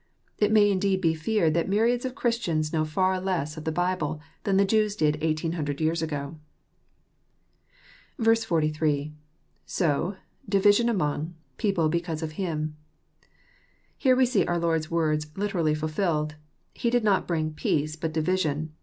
It may indeed be feared that myriads of Christians know far less of the Bible than the Jews did eighteen hundred years ago. 48. — ISo.., division among. „people because of Him,'] Here we see our Lord's words literally fulfilled. — He did not bring " peace, but division."